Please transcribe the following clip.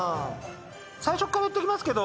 最初っから言っときますけど。